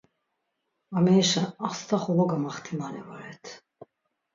Amerişen astaxolo gamaxtimoni voret.